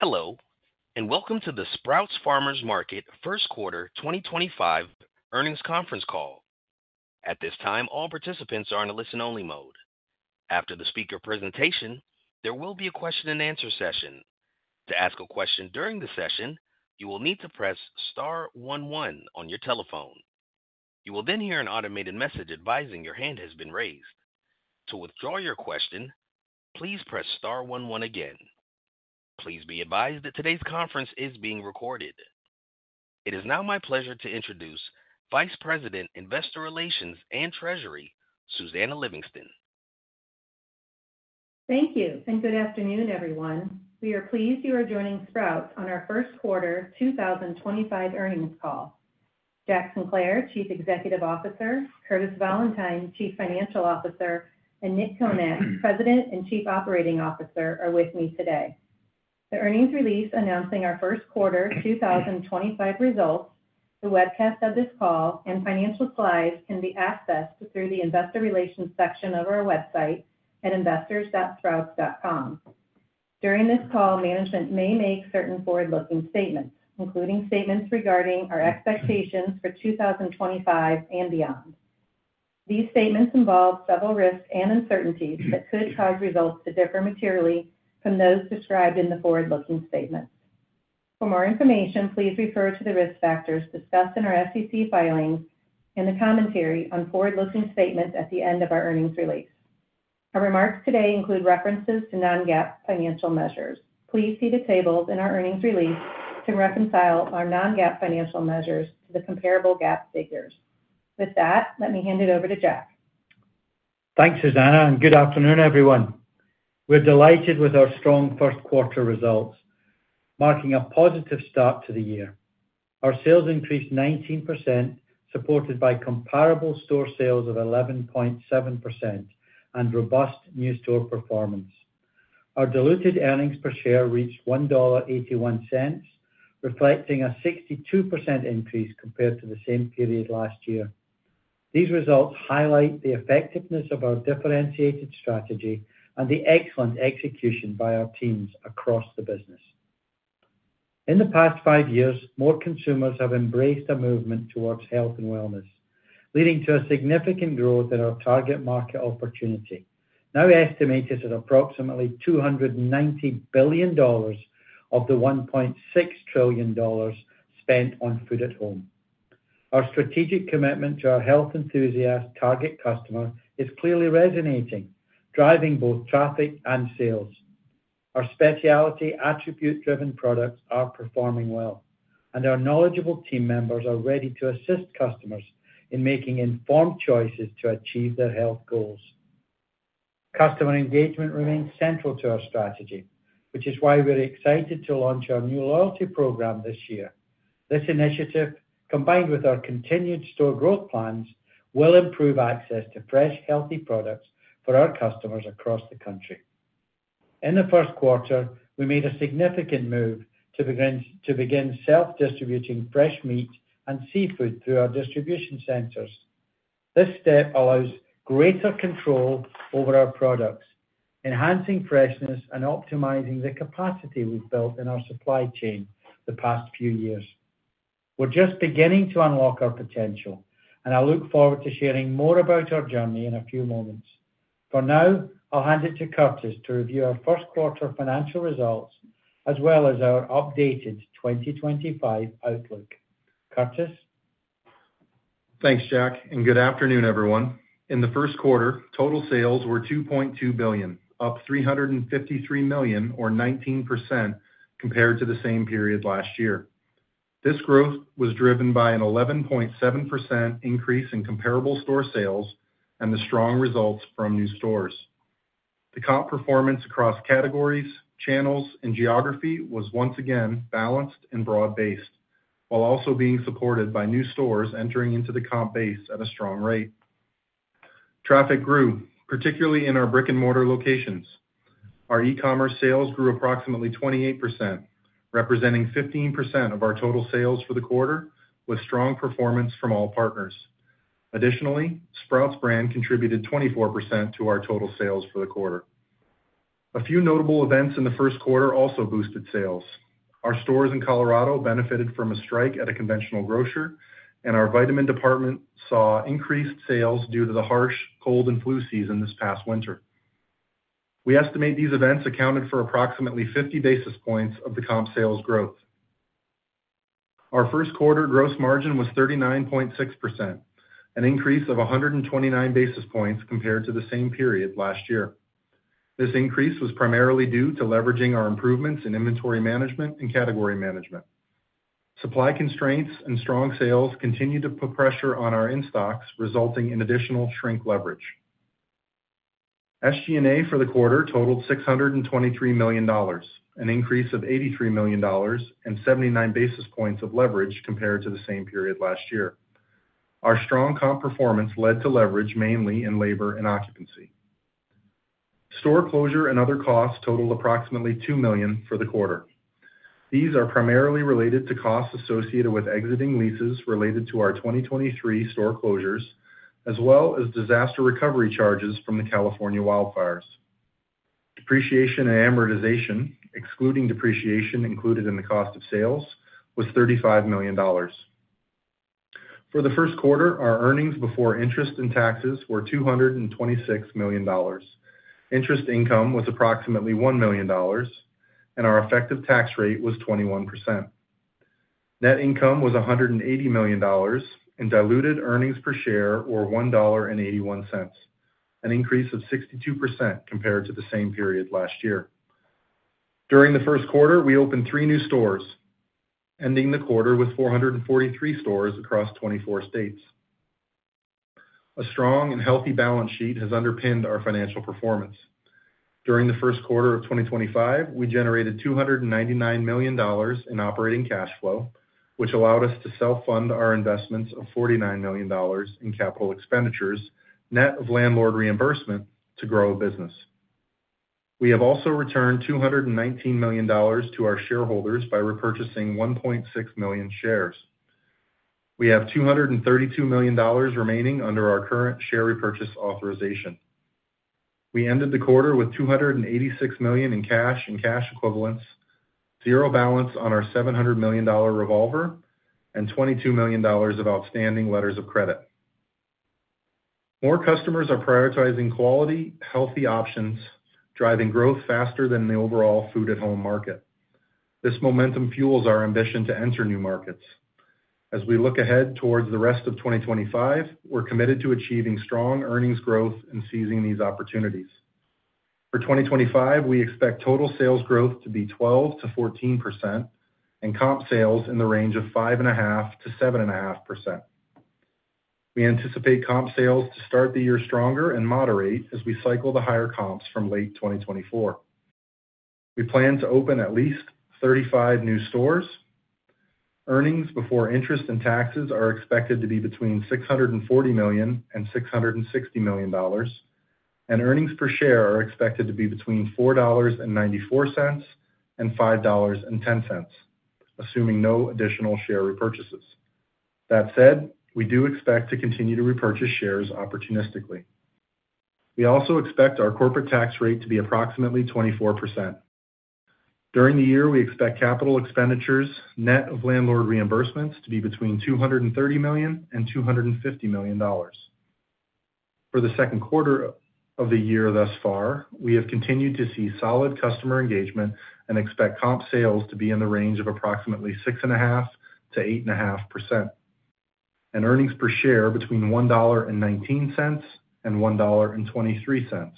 Hello, and welcome to the Sprouts Farmers Market First Quarter 2025 earnings conference call. At this time, all participants are in a listen-only mode. After the speaker presentation, there will be a question-and-answer session. To ask a question during the session, you will need to press Star 11 on your telephone. You will then hear an automated message advising your hand has been raised. To withdraw your question, please press Star 11 again. Please be advised that today's conference is being recorded. It is now my pleasure to introduce Vice President, Investor Relations and Treasury, Susannah Livingston. Thank you, and good afternoon, everyone. We are pleased you are joining Sprouts on our First Quarter 2025 earnings call. Jack Sinclair, Chief Executive Officer; Curtis Valentine, Chief Financial Officer; and Nick Konat, President and Chief Operating Officer, are with me today. The earnings release announcing our First Quarter 2025 results, the webcast of this call, and financial slides can be accessed through the Investor Relations section of our website at investors.sprouts.com. During this call, management may make certain forward-looking statements, including statements regarding our expectations for 2025 and beyond. These statements involve several risks and uncertainties that could cause results to differ materially from those described in the forward-looking statements. For more information, please refer to the risk factors discussed in our SEC filings and the commentary on forward-looking statements at the end of our earnings release. Our remarks today include references to non-GAAP financial measures. Please see the tables in our earnings release to reconcile our non-GAAP financial measures to the comparable GAAP figures. With that, let me hand it over to Jack. Thanks, Susannah, and good afternoon, everyone. We're delighted with our strong first quarter results, marking a positive start to the year. Our sales increased 19%, supported by comparable store sales of 11.7% and robust new store performance. Our diluted earnings per share reached $1.81, reflecting a 62% increase compared to the same period last year. These results highlight the effectiveness of our differentiated strategy and the excellent execution by our teams across the business. In the past five years, more consumers have embraced a movement towards health and wellness, leading to a significant growth in our target market opportunity, now estimated at approximately $290 billion of the $1.6 trillion spent on food at home. Our strategic commitment to our health-enthusiast target customer is clearly resonating, driving both traffic and sales. Our specialty attribute-driven products are performing well, and our knowledgeable team members are ready to assist customers in making informed choices to achieve their health goals. Customer engagement remains central to our strategy, which is why we're excited to launch our new loyalty program this year. This initiative, combined with our continued store growth plans, will improve access to fresh, healthy products for our customers across the country. In the first quarter, we made a significant move to begin self-distributing fresh meat and seafood through our distribution centers. This step allows greater control over our products, enhancing freshness and optimizing the capacity we've built in our supply chain the past few years. We're just beginning to unlock our potential, and I look forward to sharing more about our journey in a few moments. For now, I'll hand it to Curtis to review our first quarter financial results, as well as our updated 2025 outlook. Curtis. Thanks, Jack, and good afternoon, everyone. In the first quarter, total sales were $2.2 billion, up $353 million, or 19%, compared to the same period last year. This growth was driven by an 11.7% increase in comparable store sales and the strong results from new stores. The comp performance across categories, channels, and geography was once again balanced and broad-based, while also being supported by new stores entering into the comp base at a strong rate. Traffic grew, particularly in our brick-and-mortar locations. Our e-commerce sales grew approximately 28%, representing 15% of our total sales for the quarter, with strong performance from all partners. Additionally, Sprouts brand contributed 24% to our total sales for the quarter. A few notable events in the first quarter also boosted sales. Our stores in Colorado benefited from a strike at a conventional grocer, and our vitamin department saw increased sales due to the harsh cold and flu season this past winter. We estimate these events accounted for approximately 50 basis points of the comp sales growth. Our first quarter gross margin was 39.6%, an increase of 129 basis points compared to the same period last year. This increase was primarily due to leveraging our improvements in inventory management and category management. Supply constraints and strong sales continued to put pressure on our in-stocks, resulting in additional shrink leverage. SG&A for the quarter totaled $623 million, an increase of $83 million and 79 basis points of leverage compared to the same period last year. Our strong comp performance led to leverage mainly in labor and occupancy. Store closure and other costs totaled approximately $2 million for the quarter. These are primarily related to costs associated with exiting leases related to our 2023 store closures, as well as disaster recovery charges from the California wildfires. Depreciation and amortization, excluding depreciation included in the cost of sales, was $35 million. For the first quarter, our earnings before interest and taxes were $226 million. Interest income was approximately $1 million, and our effective tax rate was 21%. Net income was $180 million, and diluted earnings per share were $1.81, an increase of 62% compared to the same period last year. During the first quarter, we opened three new stores, ending the quarter with 443 stores across 24 states. A strong and healthy balance sheet has underpinned our financial performance. During the first quarter of 2025, we generated $299 million in operating cash flow, which allowed us to self-fund our investments of $49 million in capital expenditures, net of landlord reimbursement, to grow a business. We have also returned $219 million to our shareholders by repurchasing 1.6 million shares. We have $232 million remaining under our current share repurchase authorization. We ended the quarter with $286 million in cash and cash equivalents, zero balance on our $700 million revolver, and $22 million of outstanding letters of credit. More customers are prioritizing quality, healthy options, driving growth faster than the overall food-at-home market. This momentum fuels our ambition to enter new markets. As we look ahead towards the rest of 2025, we're committed to achieving strong earnings growth and seizing these opportunities. For 2025, we expect total sales growth to be 12%-14%, and comp sales in the range of 5.5%-7.5%. We anticipate comp sales to start the year stronger and moderate as we cycle the higher comps from late 2024. We plan to open at least 35 new stores. Earnings before interest and taxes are expected to be between $640 million and $660 million, and earnings per share are expected to be between $4.94 and $5.10, assuming no additional share repurchases. That said, we do expect to continue to repurchase shares opportunistically. We also expect our corporate tax rate to be approximately 24%. During the year, we expect capital expenditures, net of landlord reimbursements, to be between $230 million and $250 million. For the second quarter of the year thus far, we have continued to see solid customer engagement and expect comp sales to be in the range of approximately 6.5%-8.5%, and earnings per share between $1.19 and $1.23.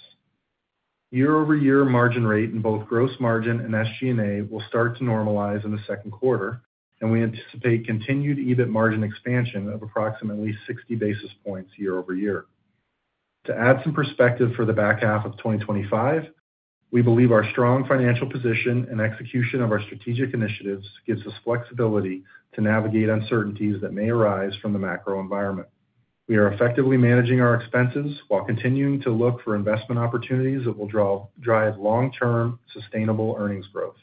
Year-over-year margin rate in both gross margin and SG&A will start to normalize in the second quarter, and we anticipate continued EBIT margin expansion of approximately 60 basis points year-over-year. To add some perspective for the back half of 2025, we believe our strong financial position and execution of our strategic initiatives gives us flexibility to navigate uncertainties that may arise from the macro environment. We are effectively managing our expenses while continuing to look for investment opportunities that will drive long-term sustainable earnings growth.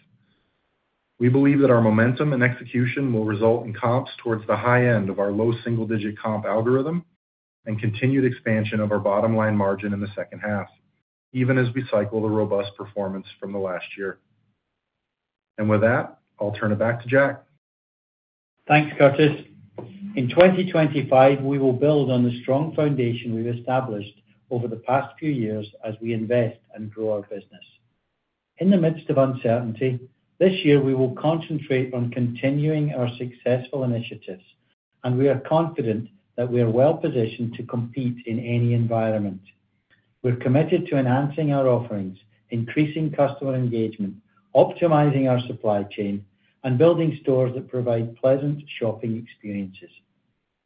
We believe that our momentum and execution will result in comps towards the high end of our low single-digit comp algorithm and continued expansion of our bottom line margin in the second half, even as we cycle the robust performance from the last year. With that, I'll turn it back to Jack. Thanks, Curtis. In 2025, we will build on the strong foundation we've established over the past few years as we invest and grow our business. In the midst of uncertainty, this year we will concentrate on continuing our successful initiatives, and we are confident that we are well-positioned to compete in any environment. We're committed to enhancing our offerings, increasing customer engagement, optimizing our supply chain, and building stores that provide pleasant shopping experiences.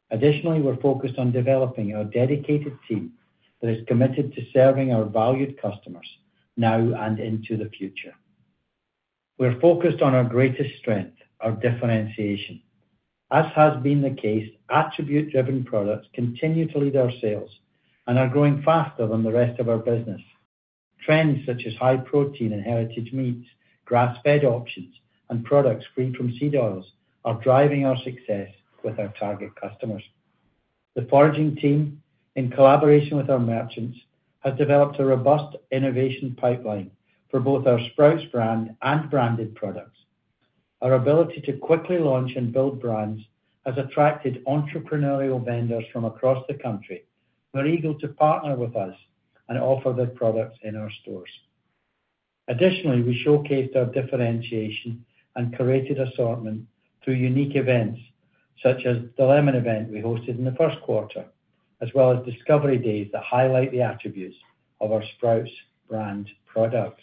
Additionally, we're focused on developing our dedicated team that is committed to serving our valued customers now and into the future. We're focused on our greatest strength, our differentiation. As has been the case, attribute-driven products continue to lead our sales, and are growing faster than the rest of our business. Trends such as high protein and heritage meats, grass-fed options, and products free from seed oils are driving our success with our target customers. The foraging team, in collaboration with our merchants, has developed a robust innovation pipeline for both our Sprouts brand and branded products. Our ability to quickly launch and build brands has attracted entrepreneurial vendors from across the country who are eager to partner with us and offer their products in our stores. Additionally, we showcased our differentiation and curated assortment through unique events such as the lemon event we hosted in the first quarter, as well as discovery days that highlight the attributes of our Sprouts brand products.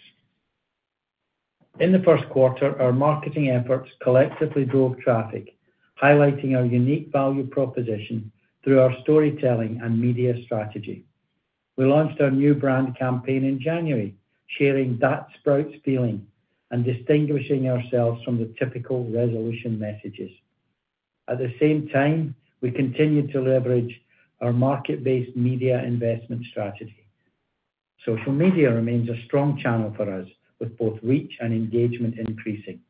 In the first quarter, our marketing efforts collectively drove traffic, highlighting our unique value proposition through our storytelling and media strategy. We launched our new brand campaign in January, sharing that Sprouts feeling and distinguishing ourselves from the typical resolution messages. At the same time, we continue to leverage our market-based media investment strategy. Social media remains a strong channel for us, with both reach and engagement increasing.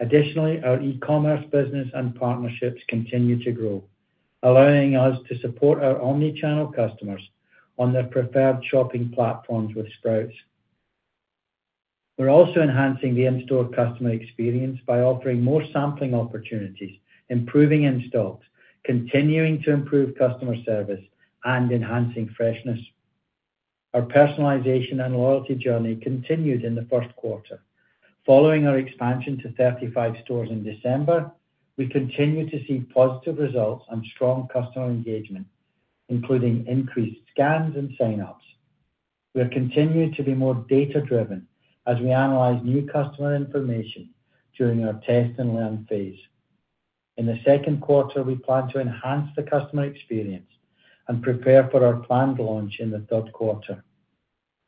Additionally, our e-commerce business and partnerships continue to grow, allowing us to support our omnichannel customers on their preferred shopping platforms with Sprouts. We're also enhancing the in-store customer experience by offering more sampling opportunities, improving in-stocks, continuing to improve customer service, and enhancing freshness. Our personalization and loyalty journey continued in the first quarter. Following our expansion to 35 stores in December, we continue to see positive results and strong customer engagement, including increased scans and sign-ups. We're continuing to be more data-driven as we analyze new customer information during our test and learn phase. In the second quarter, we plan to enhance the customer experience and prepare for our planned launch in the third quarter.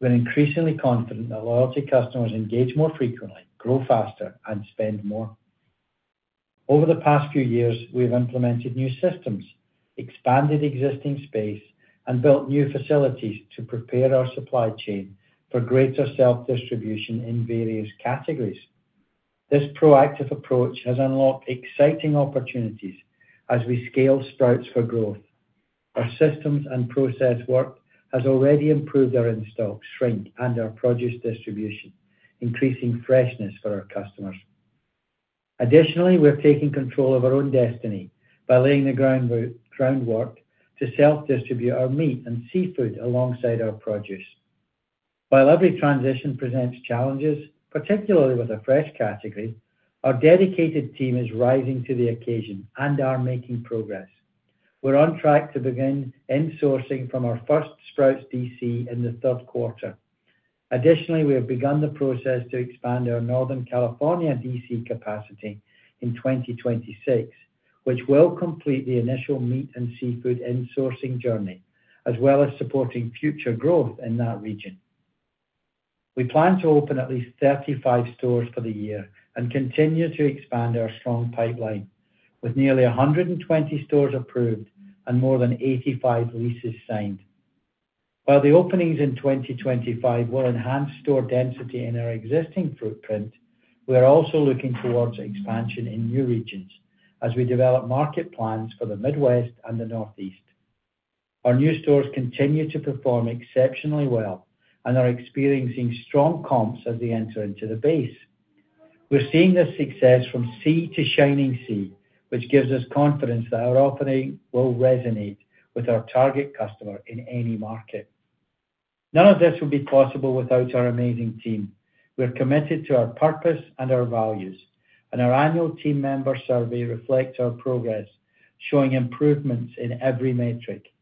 We're increasingly confident that loyalty customers engage more frequently, grow faster, and spend more. Over the past few years, we have implemented new systems, expanded existing space, and built new facilities to prepare our supply chain for greater self-distribution in various categories. This proactive approach has unlocked exciting opportunities as we scale Sprouts for growth. Our systems and process work has already improved our in-stock, shrink, and our produce distribution, increasing freshness for our customers. Additionally, we're taking control of our own destiny by laying the groundwork to self-distribute our meat and seafood alongside our produce. While every transition presents challenges, particularly with a fresh category, our dedicated team is rising to the occasion and are making progress. We're on track to begin in-sourcing from our first Sprouts DC in the third quarter. Additionally, we have begun the process to expand our Northern California DC capacity in 2026, which will complete the initial meat and seafood in-sourcing journey, as well as supporting future growth in that region. We plan to open at least 35 stores for the year and continue to expand our strong pipeline, with nearly 120 stores approved and more than 85 leases signed. While the openings in 2025 will enhance store density in our existing footprint, we are also looking towards expansion in new regions as we develop market plans for the Midwest and the Northeast. Our new stores continue to perform exceptionally well and are experiencing strong comps as they enter into the base. We're seeing this success from sea to shining sea, which gives us confidence that our offering will resonate with our target customer in any market. None of this would be possible without our amazing team. We're committed to our purpose and our values, and our annual team member survey reflects our progress, showing improvements in every metric.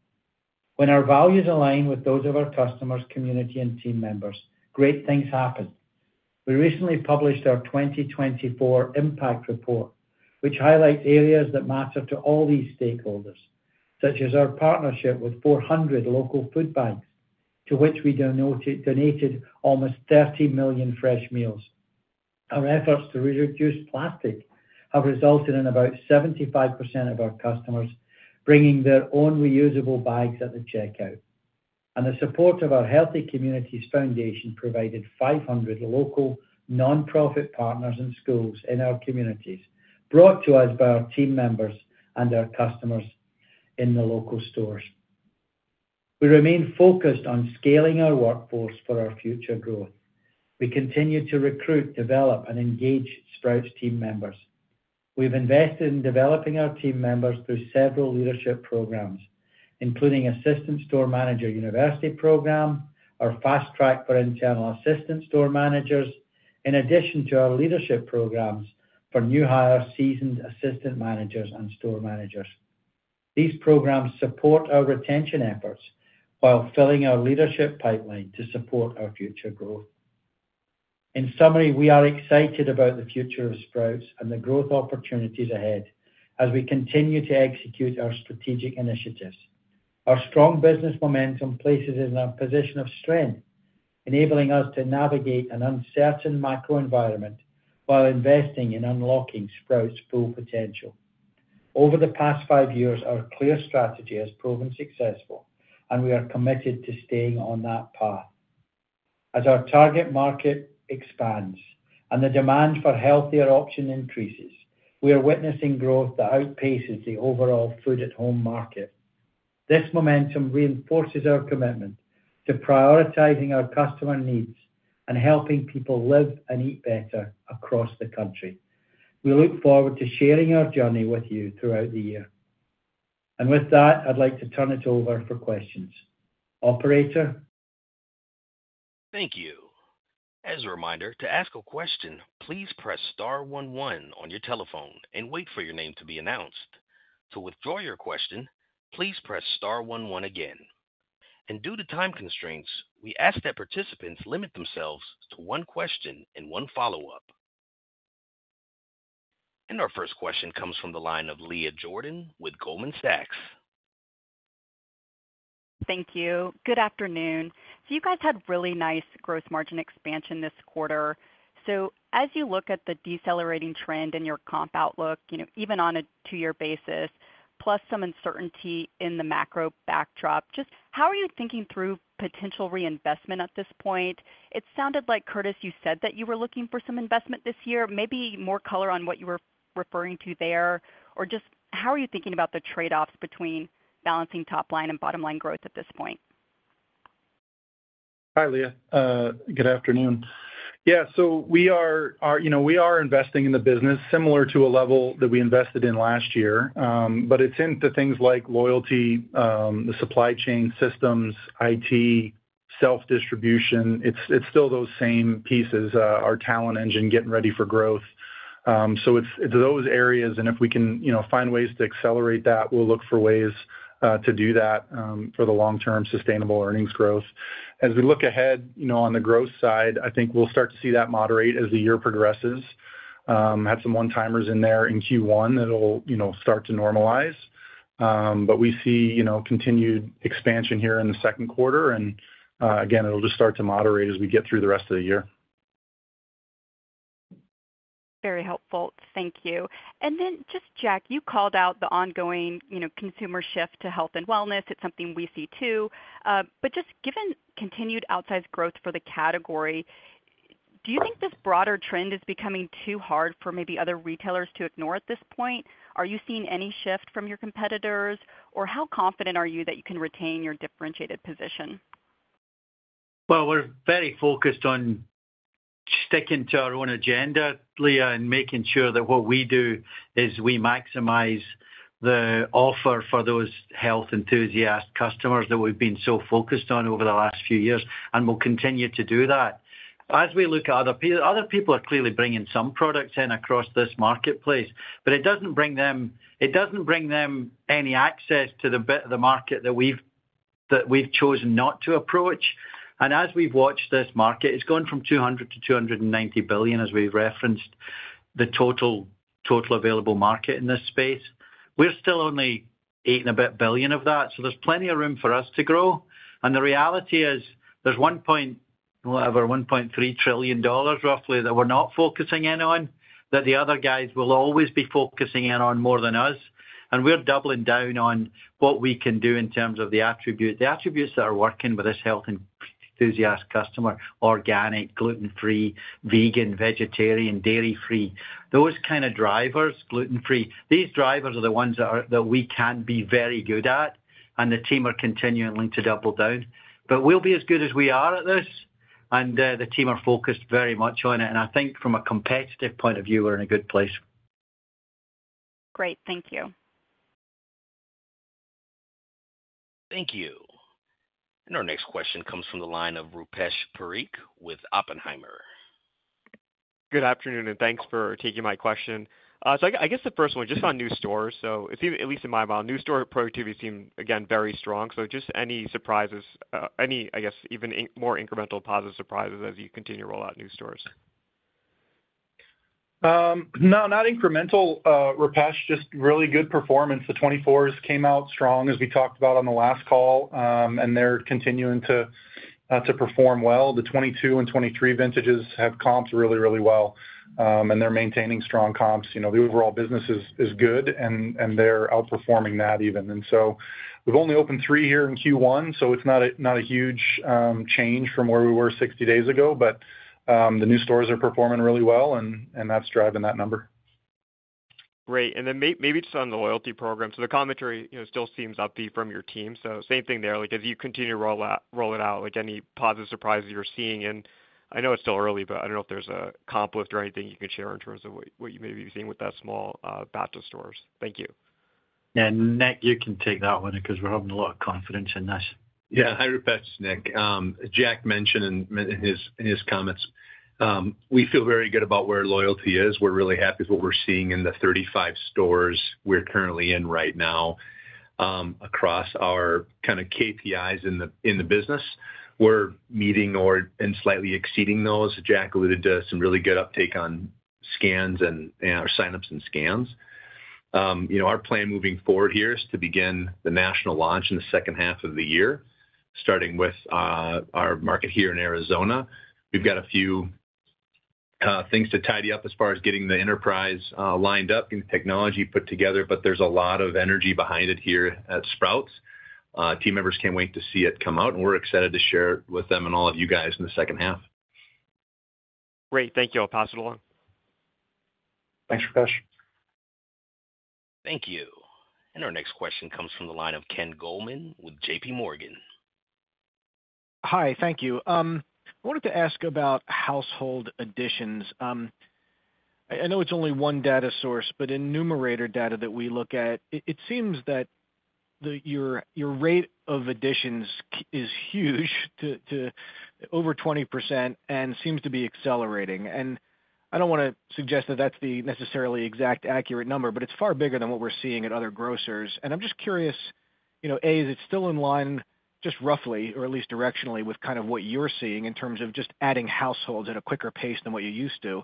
When our values align with those of our customers, community, and team members, great things happen. We recently published our 2024 impact report, which highlights areas that matter to all these stakeholders, such as our partnership with 400 local food banks, to which we donated almost 30 million fresh meals. Our efforts to reduce plastic have resulted in about 75% of our customers bringing their own reusable bags at the checkout. The support of our Healthy Communities Foundation provided 500 local nonprofit partners and schools in our communities, brought to us by our team members and our customers in the local stores. We remain focused on scaling our workforce for our future growth. We continue to recruit, develop, and engage Sprouts team members. We've invested in developing our team members through several leadership programs, including Assistant Store Manager University Program, our Fast Track for Internal Assistant Store Managers, in addition to our leadership programs for new hire seasoned assistant managers and store managers. These programs support our retention efforts while filling our leadership pipeline to support our future growth. In summary, we are excited about the future of Sprouts and the growth opportunities ahead as we continue to execute our strategic initiatives. Our strong business momentum places us in a position of strength, enabling us to navigate an uncertain macro environment while investing in unlocking Sprouts' full potential. Over the past five years, our clear strategy has proven successful, and we are committed to staying on that path. As our target market expands and the demand for healthier options increases, we are witnessing growth that outpaces the overall food on market. This momentum reinforces our commitment to prioritizing our customer needs and helping people live and eat better across the country. We look forward to sharing our journey with you throughout the year. With that, I'd like to turn it over for questions. Operator. Thank you. As a reminder, to ask a question, please press star 11 on your telephone and wait for your name to be announced. To withdraw your question, please press star 11 again. Due to time constraints, we ask that participants limit themselves to one question and one follow-up. Our first question comes from the line of Leah Jordan with Goldman Sachs. Thank you. Good afternoon. You guys had really nice gross margin expansion this quarter. As you look at the decelerating trend in your comp outlook, even on a two-year basis, plus some uncertainty in the macro backdrop, just how are you thinking through potential reinvestment at this point? It sounded like, Curtis, you said that you were looking for some investment this year, maybe more color on what you were referring to there, or just how are you thinking about the trade-offs between balancing top line and bottom line growth at this point? Hi, Leah. Good afternoon. Yeah, we are investing in the business similar to a level that we invested in last year, but it's into things like loyalty, the supply chain systems, IT, self-distribution. It's still those same pieces, our talent engine getting ready for growth. It's those areas, and if we can find ways to accelerate that, we'll look for ways to do that for the long-term sustainable earnings growth. As we look ahead on the growth side, I think we'll start to see that moderate as the year progresses. Had some one-timers in there in Q1 that'll start to normalize, but we see continued expansion here in the second quarter, and again, it'll just start to moderate as we get through the rest of the year. Very helpful. Thank you. Jack, you called out the ongoing consumer shift to health and wellness. It's something we see too. Just given continued outsized growth for the category, do you think this broader trend is becoming too hard for maybe other retailers to ignore at this point? Are you seeing any shift from your competitors, or how confident are you that you can retain your differentiated position? We're very focused on sticking to our own agenda, Leah, and making sure that what we do is we maximize the offer for those health enthusiast customers that we've been so focused on over the last few years, and we'll continue to do that. As we look at other people, other people are clearly bringing some products in across this marketplace, but it doesn't bring them any access to the bit of the market that we've chosen not to approach. As we've watched this market, it's gone from $200 billion to $290 billion, as we've referenced the total available market in this space. We're still only $8 billion and a bit of that, so there's plenty of room for us to grow. The reality is there's over $1.3 trillion, roughly, that we're not focusing in on that the other guys will always be focusing in on more than us. We're doubling down on what we can do in terms of the attributes. The attributes that are working with this health enthusiast customer: organic, gluten-free, vegan, vegetarian, dairy-free, those kind of drivers, gluten-free. These drivers are the ones that we can be very good at, and the team are continuing to double down. We'll be as good as we are at this, and the team are focused very much on it. I think from a competitive point of view, we're in a good place. Great. Thank you. Thank you. Our next question comes from the line of Rupesh Parikh with Oppenheimer. Good afternoon, and thanks for taking my question. I guess the first one, just on new stores. At least in my mind, new store productivity seemed, again, very strong. Just any surprises, any, I guess, even more incremental positive surprises as you continue to roll out new stores? No, not incremental. Rupesh, just really good performance. The 24s came out strong, as we talked about on the last call, and they're continuing to perform well. The 22 and 23 vintages have comped really, really well, and they're maintaining strong comps. The overall business is good, and they're outperforming that even. We have only opened three here in Q1, so it's not a huge change from where we were 60 days ago, but the new stores are performing really well, and that's driving that number. Great. Maybe just on the loyalty program. The commentary still seems upbeat from your team. Same thing there. As you continue to roll it out, any positive surprises you're seeing in? I know it's still early, but I don't know if there's a comp lift or anything you can share in terms of what you may be seeing with that small batch of stores. Thank you. Yeah, Nick, you can take that one because we're having a lot of confidence in this. Yeah. Hi, Rupesh, Nick. Jack mentioned in his comments, we feel very good about where loyalty is. We're really happy with what we're seeing in the 35 stores we're currently in right now across our kind of KPIs in the business. We're meeting or slightly exceeding those. Jack alluded to some really good uptake on scans and our sign-ups and scans. Our plan moving forward here is to begin the national launch in the second half of the year, starting with our market here in Arizona. We've got a few things to tidy up as far as getting the enterprise lined up and technology put together, but there's a lot of energy behind it here at Sprouts. Team members can't wait to see it come out, and we're excited to share it with them and all of you guys in the second half. Great. Thank you. I'll pass it along. Thanks, Rupesh. Thank you. Our next question comes from the line of Ken Goldman with J.P. Morgan. Hi, thank you. I wanted to ask about household additions. I know it's only on.e data source, but in numerator data that we look at, it seems that your rate of additions is huge, over 20%, and seems to be accelerating. I do not want to suggest that that's the necessarily exact accurate number, but it's far bigger than what we're seeing at other grocers. I'm just curious, A, is it still in line, just roughly, or at least directionally, with kind of what you're seeing in terms of just adding households at a quicker pace than what you used to?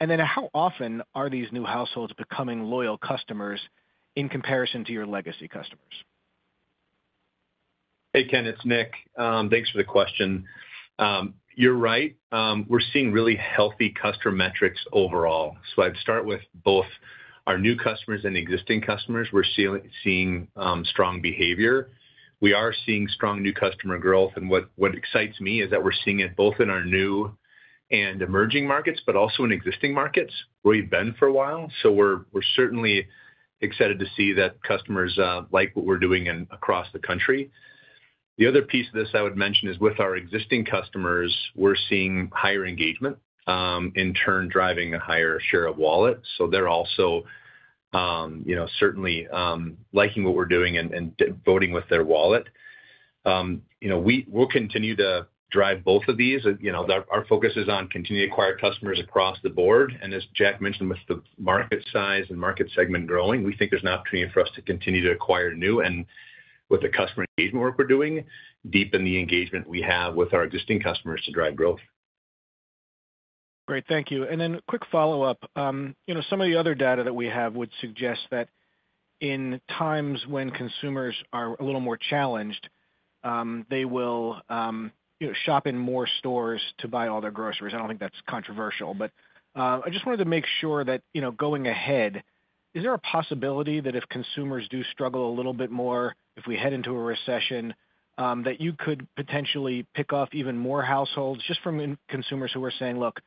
How often are these new households becoming loyal customers in comparison to your legacy customers? Hey, Ken, it's Nick. Thanks for the question. You're right. We're seeing really healthy customer metrics overall. I'd start with both our new customers and existing customers. We're seeing strong behavior. We are seeing strong new customer growth. What excites me is that we're seeing it both in our new and emerging markets, but also in existing markets where we've been for a while. We're certainly excited to see that customers like what we're doing across the country. The other piece of this I would mention is with our existing customers, we're seeing higher engagement, in turn driving a higher share of wallet. They're also certainly liking what we're doing and voting with their wallet. We'll continue to drive both of these. Our focus is on continuing to acquire customers across the board. As Jack mentioned, with the market size and market segment growing, we think there's an opportunity for us to continue to acquire new, and with the customer engagement work we're doing, deepen the engagement we have with our existing customers to drive growth. Great. Thank you. Quick follow-up. Some of the other data that we have would suggest that in times when consumers are a little more challenged, they will shop in more stores to buy all their groceries. I do not think that's controversial, but I just wanted to make sure that going ahead, is there a possibility that if consumers do struggle a little bit more, if we head into a recession, that you could potentially pick off even more households just from consumers who are saying, "Look,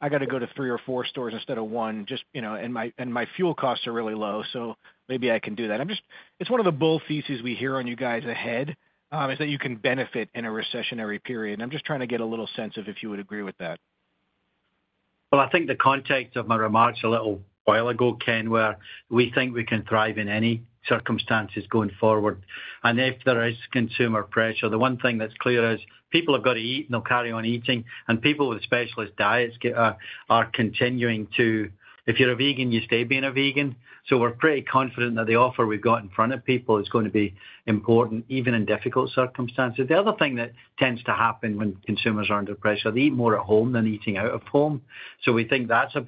I got to go to three or four stores instead of one, and my fuel costs are really low, so maybe I can do that"? It is one of the bull theses we hear on you guys ahead is that you can benefit in a recessionary period. I am just trying to get a little sense of if you would agree with that. I think the context of my remarks a little while ago, Ken, were we think we can thrive in any circumstances going forward. If there is consumer pressure, the one thing that's clear is people have got to eat and they'll carry on eating. People with specialist diets are continuing to, if you're a vegan, you stay being a vegan. We are pretty confident that the offer we've got in front of people is going to be important even in difficult circumstances. The other thing that tends to happen when consumers are under pressure, they eat more at home than eating out of home. We think that's a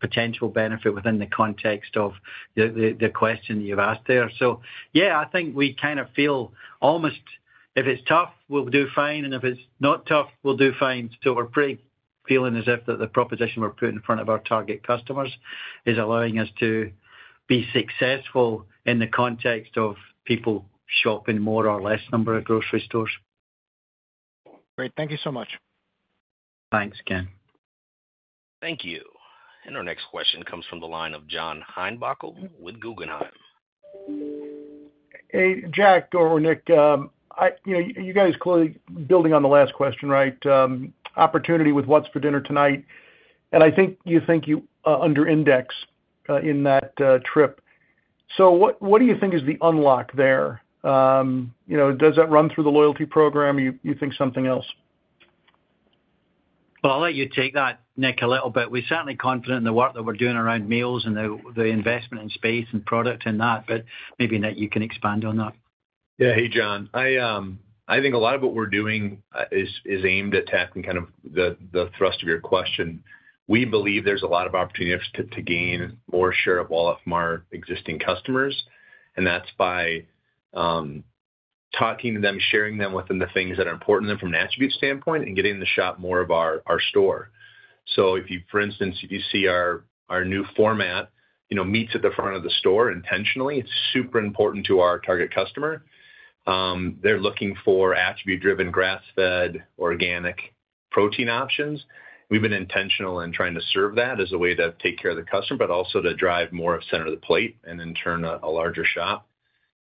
potential benefit within the context of the question that you've asked there. I think we kind of feel almost if it's tough, we'll do fine, and if it's not tough, we'll do fine. We're pretty feeling as if the proposition we're putting in front of our target customers is allowing us to be successful in the context of people shopping more or less number of grocery stores. Great. Thank you so much. Thanks, Ken. Thank you. Our next question comes from the line of John Heinbockel with Guggenheim. Hey, Jack or Nick, you guys clearly building on the last question, right? Opportunity with What's for Dinner Tonight. And I think you think you underindex in that trip. What do you think is the unlock there? Does that run through the loyalty program? You think something else? I'll let you take that, Nick, a little bit. We're certainly confident in the work that we're doing around meals and the investment in space and product and that, but maybe, Nick, you can expand on that. Yeah. Hey, John. I think a lot of what we're doing is aimed at tackling kind of the thrust of your question. We believe there's a lot of opportunity to gain more share of wallet from our existing customers, and that's by talking to them, sharing with them the things that are important to them from an attribute standpoint, and getting them to shop more of our store. For instance, if you see our new format meats at the front of the store intentionally, it's super important to our target customer. They're looking for attribute-driven, grass-fed, organic protein options. We've been intentional in trying to serve that as a way to take care of the customer, but also to drive more of center of the plate and in turn a larger shop.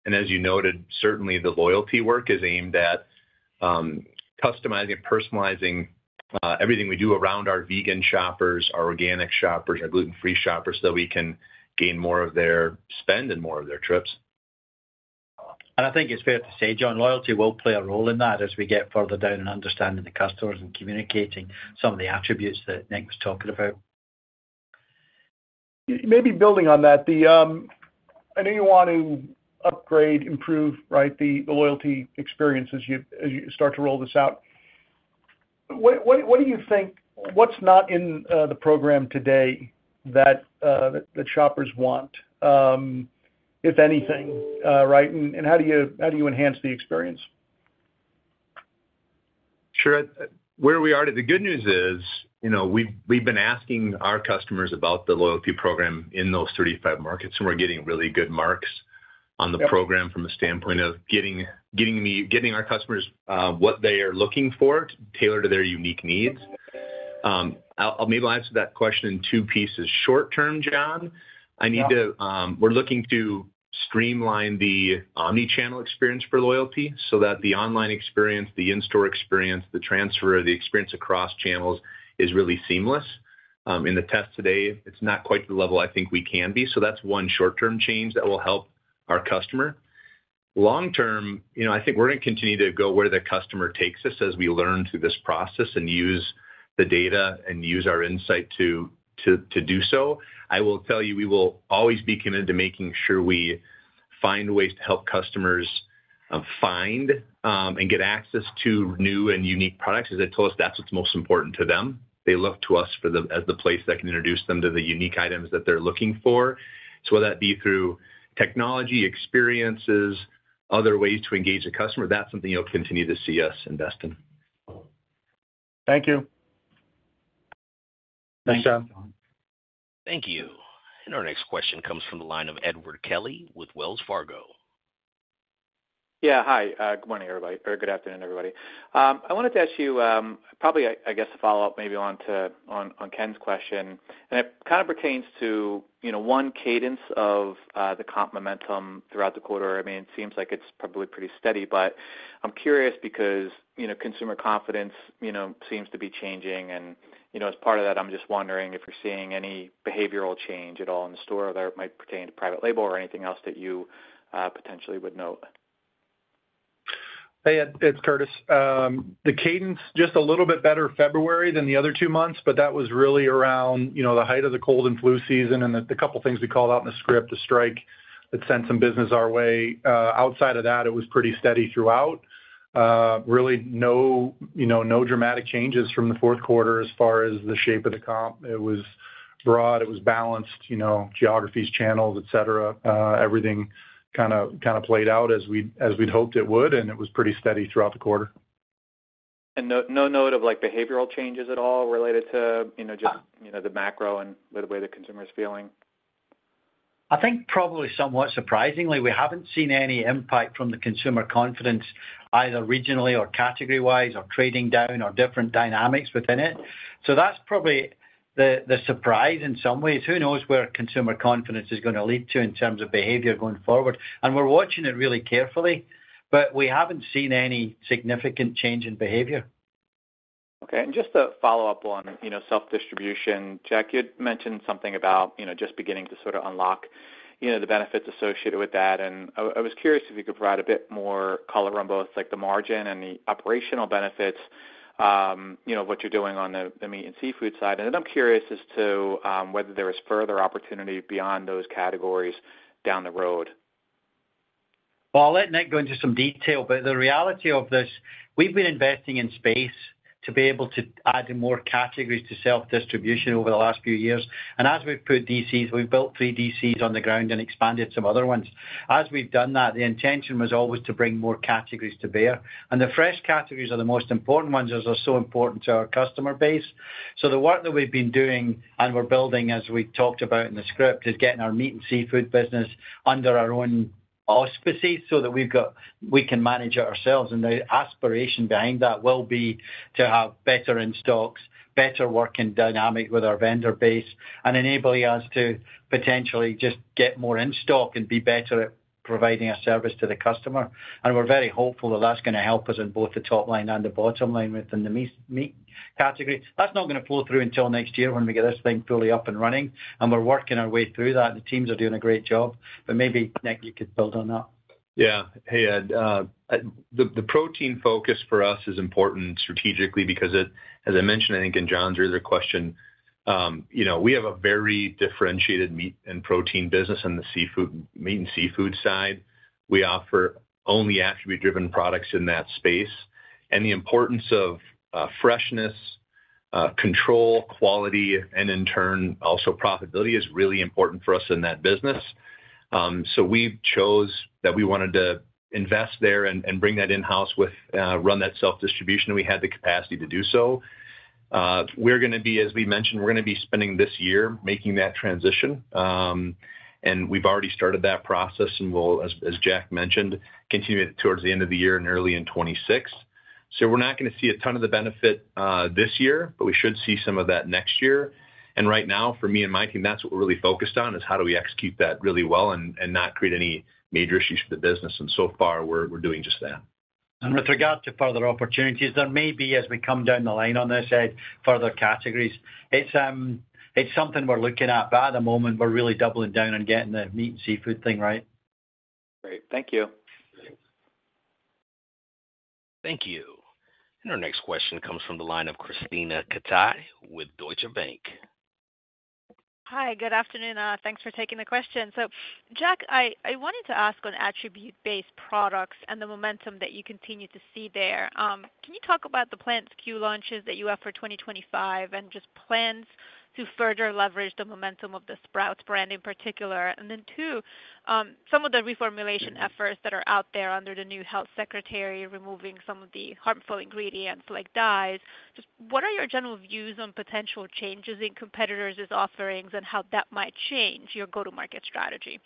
As you noted, certainly the loyalty work is aimed at customizing and personalizing everything we do around our vegan shoppers, our organic shoppers, our gluten-free shoppers so that we can gain more of their spend and more of their trips. I think it's fair to say, John, loyalty will play a role in that as we get further down in understanding the customers and communicating some of the attributes that Nick was talking about. Maybe building on that, I know you want to upgrade, improve, right, the loyalty experience as you start to roll this out. What do you think, what's not in the program today that shoppers want, if anything, right? And how do you enhance the experience? Sure. Where we are today, the good news is we've been asking our customers about the loyalty program in those 35 markets, and we're getting really good marks on the program from a standpoint of getting our customers what they are looking for tailored to their unique needs. I'll maybe answer that question in two pieces. Short-term, John, we're looking to streamline the omnichannel experience for loyalty so that the online experience, the in-store experience, the transfer of the experience across channels is really seamless. In the test today, it's not quite the level I think we can be. That is one short-term change that will help our customer. Long-term, I think we're going to continue to go where the customer takes us as we learn through this process and use the data and use our insight to do so. I will tell you we will always be committed to making sure we find ways to help customers find and get access to new and unique products. As I told us, that's what's most important to them. They look to us as the place that can introduce them to the unique items that they're looking for. Whether that be through technology, experiences, other ways to engage the customer, that's something you'll continue to see us invest in. Thank you. Thanks, John. Thank you. Our next question comes from the line of Edward Kelly with Wells Fargo. Yeah. Hi. Good morning, everybody, or good afternoon, everybody. I wanted to ask you probably, I guess, a follow-up maybe on Ken's question. It kind of pertains to one cadence of the comp momentum throughout the quarter. I mean, it seems like it's probably pretty steady, but I'm curious because consumer confidence seems to be changing. As part of that, I'm just wondering if you're seeing any behavioral change at all in the store that might pertain to private label or anything else that you potentially would note. Hey, it's Curtis. The cadence just a little bit better February than the other two months, but that was really around the height of the cold and flu season and the couple of things we called out in the script, the strike that sent some business our way. Outside of that, it was pretty steady throughout. Really no dramatic changes from the fourth quarter as far as the shape of the comp. It was broad. It was balanced, geographies, channels, etc. Everything kind of played out as we'd hoped it would, and it was pretty steady throughout the quarter. No note of behavioral changes at all related to just the macro and the way the consumer's feeling? I think probably somewhat surprisingly, we haven't seen any impact from the consumer confidence either regionally or category-wise or trading down or different dynamics within it. That's probably the surprise in some ways. Who knows where consumer confidence is going to lead to in terms of behavior going forward? We're watching it really carefully, but we haven't seen any significant change in behavior. Okay. Just to follow up on self-distribution, Jack, you mentioned something about just beginning to sort of unlock the benefits associated with that. I was curious if you could provide a bit more color on both the margin and the operational benefits of what you are doing on the meat and seafood side. I am curious as to whether there is further opportunity beyond those categories down the road. I'll let Nick go into some detail, but the reality of this, we've been investing in space to be able to add more categories to self-distribution over the last few years. As we've put DCs, we've built three DCs on the ground and expanded some other ones. As we've done that, the intention was always to bring more categories to bear. The fresh categories are the most important ones as they're so important to our customer base. The work that we've been doing and we're building, as we talked about in the script, is getting our meat and seafood business under our own auspices so that we can manage it ourselves. The aspiration behind that will be to have better in-stocks, better working dynamic with our vendor base, and enabling us to potentially just get more in-stock and be better at providing a service to the customer. We are very hopeful that that is going to help us in both the top line and the bottom line within the meat category. That is not going to flow through until next year when we get this thing fully up and running. We are working our way through that, and the teams are doing a great job. Maybe, Nick, you could build on that. Yeah. Hey, Ed, the protein focus for us is important strategically because, as I mentioned, I think in John's earlier question, we have a very differentiated meat and protein business in the seafood and meat and seafood side. We offer only attribute-driven products in that space. The importance of freshness, control, quality, and in turn, also profitability is really important for us in that business. We chose that we wanted to invest there and bring that in-house with run that self-distribution that we had the capacity to do so. We are going to be, as we mentioned, spending this year making that transition. We have already started that process and will, as Jack mentioned, continue it towards the end of the year and early in 2026. We're not going to see a ton of the benefit this year, but we should see some of that next year. Right now, for me and my team, that's what we're really focused on is how do we execute that really well and not create any major issues for the business. So far, we're doing just that. With regard to further opportunities, there may be, as we come down the line on this, Ed, further categories. It is something we are looking at, but at the moment, we are really doubling down and getting the meat and seafood thing right. Great. Thank you. Thank you. Our next question comes from the line of Krisztina Katai with Deutsche Bank. Hi. Good afternoon. Thanks for taking the question. Jack, I wanted to ask on attribute-based products and the momentum that you continue to see there. Can you talk about the planned Q launches that you have for 2025 and just plans to further leverage the momentum of the Sprouts brand in particular? Then, two, some of the reformulation efforts that are out there under the new health secretary, removing some of the harmful ingredients like dyes. Just what are your general views on potential changes in competitors' offerings and how that might change your go-to-market strategy?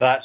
That's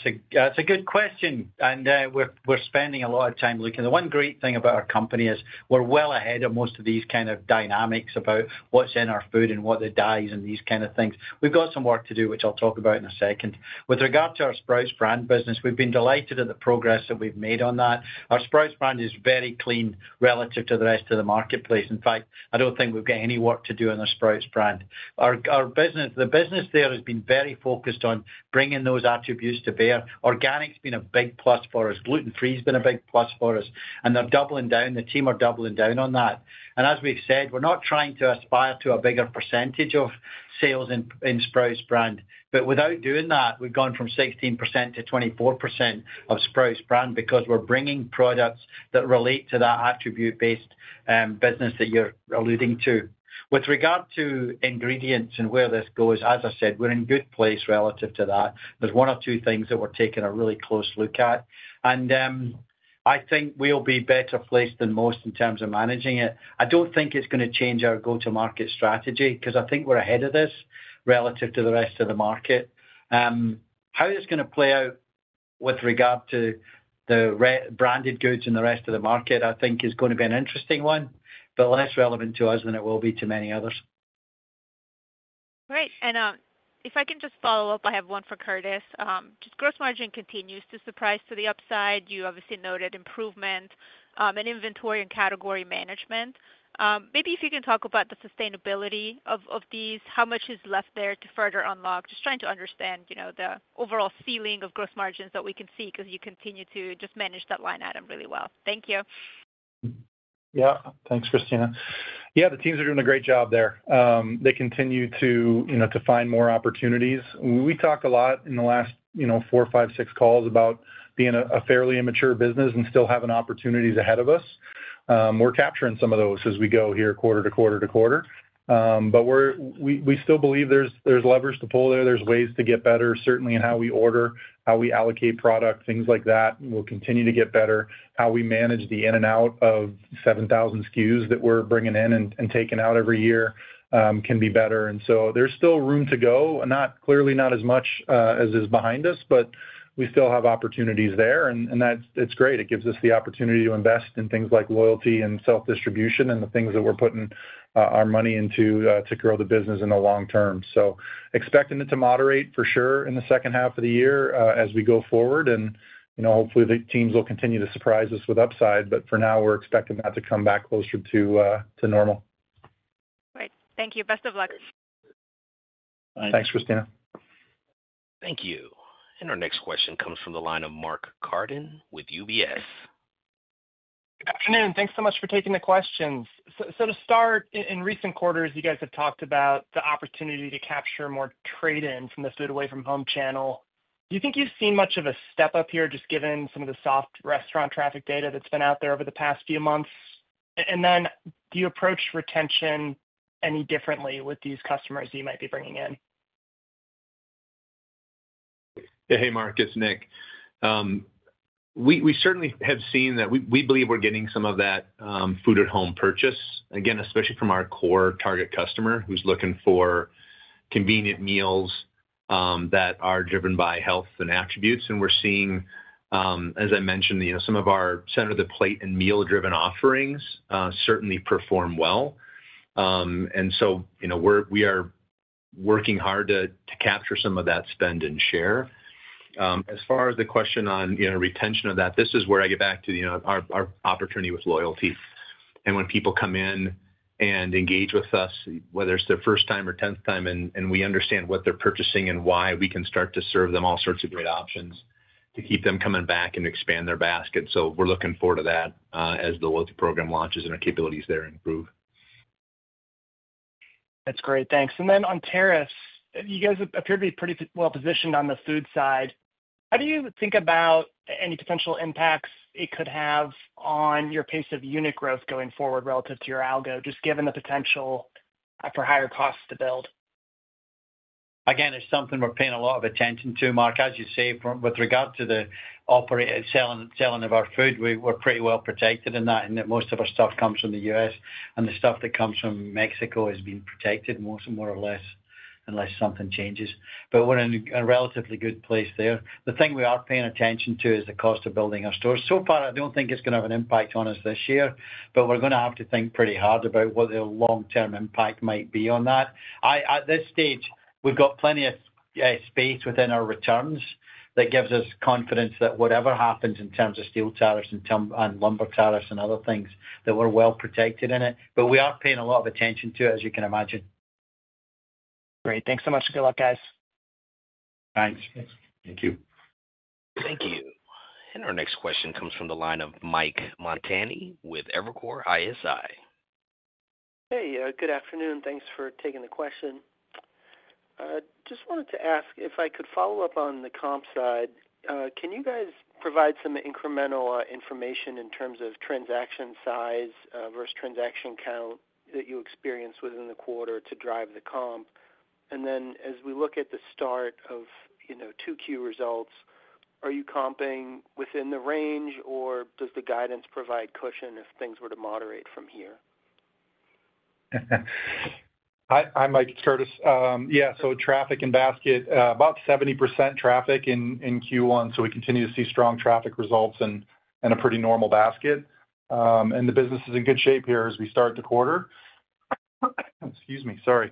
a good question. We're spending a lot of time looking. The one great thing about our company is we're well ahead of most of these kind of dynamics about what's in our food and what the dyes and these kind of things. We've got some work to do, which I'll talk about in a second. With regard to our Sprouts brand business, we've been delighted at the progress that we've made on that. Our Sprouts brand is very clean relative to the rest of the marketplace. In fact, I don't think we've got any work to do on our Sprouts brand. The business there has been very focused on bringing those attributes to bear. Organic's been a big plus for us. Gluten-free's been a big plus for us. They're doubling down. The team are doubling down on that. As we've said, we're not trying to aspire to a bigger percentage of sales in Sprouts brand. Without doing that, we've gone from 16% to 24% of Sprouts brand because we're bringing products that relate to that attribute-based business that you're alluding to. With regard to ingredients and where this goes, as I said, we're in a good place relative to that. There's one or two things that we're taking a really close look at. I think we'll be better placed than most in terms of managing it. I don't think it's going to change our go-to-market strategy because I think we're ahead of this relative to the rest of the market. How it's going to play out with regard to the branded goods and the rest of the market, I think, is going to be an interesting one, but less relevant to us than it will be to many others. Great. If I can just follow up, I have one for Curtis. Just gross margin continues to surprise to the upside. You obviously noted improvement in inventory and category management. Maybe if you can talk about the sustainability of these, how much is left there to further unlock? Just trying to understand the overall ceiling of gross margins that we can see because you continue to just manage that line item really well. Thank you. Yeah. Thanks, Christina. Yeah, the teams are doing a great job there. They continue to find more opportunities. We talked a lot in the last four, five, six calls about being a fairly immature business and still having opportunities ahead of us. We're capturing some of those as we go here quarter to quarter to quarter. We still believe there's levers to pull there. There's ways to get better, certainly, in how we order, how we allocate product, things like that. We'll continue to get better. How we manage the in and out of 7,000 SKUs that we're bringing in and taking out every year can be better. There is still room to go, clearly not as much as is behind us, but we still have opportunities there. It's great. It gives us the opportunity to invest in things like loyalty and self-distribution and the things that we're putting our money into to grow the business in the long term. Expecting it to moderate for sure in the second half of the year as we go forward. Hopefully, the teams will continue to surprise us with upside. For now, we're expecting that to come back closer to normal. Great. Thank you. Best of luck. Thanks, Christina. Thank you. Our next question comes from the line of Mark Carden with UBS. Good afternoon. Thanks so much for taking the questions. To start, in recent quarters, you guys have talked about the opportunity to capture more trade-in from the food away from home channel. Do you think you've seen much of a step up here just given some of the soft restaurant traffic data that's been out there over the past few months? Do you approach retention any differently with these customers that you might be bringing in? Yeah. Hey, Mark. It's Nick. We certainly have seen that we believe we're getting some of that food-at-home purchase, again, especially from our core target customer who's looking for convenient meals that are driven by health and attributes. We're seeing, as I mentioned, some of our center-of-the-plate and meal-driven offerings certainly perform well. We are working hard to capture some of that spend and share. As far as the question on retention of that, this is where I get back to our opportunity with loyalty. When people come in and engage with us, whether it's their first time or tenth time, and we understand what they're purchasing and why, we can start to serve them all sorts of great options to keep them coming back and expand their basket. We're looking forward to that as the loyalty program launches and our capabilities there improve. That's great. Thanks. On tariffs, you guys appear to be pretty well positioned on the food side. How do you think about any potential impacts it could have on your pace of unit growth going forward relative to your algo, just given the potential for higher costs to build? Again, it's something we're paying a lot of attention to, Mark. As you say, with regard to the selling of our food, we're pretty well protected in that, and most of our stuff comes from the U.S. The stuff that comes from Mexico has been protected more or less unless something changes. We're in a relatively good place there. The thing we are paying attention to is the cost of building our stores. So far, I don't think it's going to have an impact on us this year, but we're going to have to think pretty hard about what the long-term impact might be on that. At this stage, we've got plenty of space within our returns that gives us confidence that whatever happens in terms of steel tariffs and lumber tariffs and other things, we're well protected in it. We are paying a lot of attention to it, as you can imagine. Great. Thanks so much. Good luck, guys. Thanks. Thank you. Thank you. Our next question comes from the line of Mich Montani with Evercore ISI. Hey, good afternoon. Thanks for taking the question. Just wanted to ask if I could follow up on the comp side. Can you guys provide some incremental information in terms of transaction size versus transaction count that you experienced within the quarter to drive the comp? As we look at the start of 2Q results, are you comping within the range, or does the guidance provide cushion if things were to moderate from here? Hi, Mike, Curtis. Yeah. Traffic and basket, about 70% traffic in Q1. We continue to see strong traffic results and a pretty normal basket. The business is in good shape here as we start the quarter. Excuse me. Sorry.